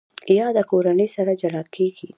یاده کورنۍ سره جلا کېږي.